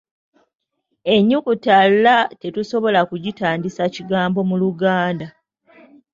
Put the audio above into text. Ennyukuta r tetusobola kugitandisa kigambo mu Luganda.